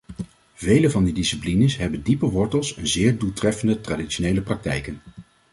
Vele van die disciplines hebben diepe wortels en zeer doeltreffende traditionele praktijken.